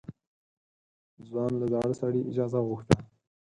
ځوان له زاړه سړي اجازه وغوښته.